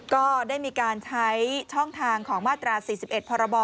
ก็ได้มีการใช้ช่องทางของมาตรา๔๑พรบ